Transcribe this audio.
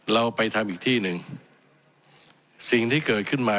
เราไปทำอีกที่หนึ่งสิ่งที่เกิดขึ้นมา